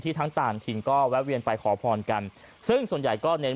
ทั้งต่างถิ่นก็แวะเวียนไปขอพรกันซึ่งส่วนใหญ่ก็เน้น